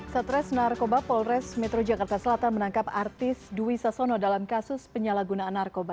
satres narkoba polres metro jakarta selatan menangkap artis dwi sasono dalam kasus penyalahgunaan narkoba